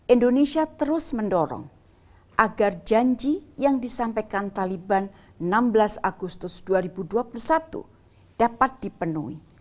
indonesia terus mendorong agar janji yang disampaikan taliban enam belas agustus dua ribu dua puluh satu dapat dipenuhi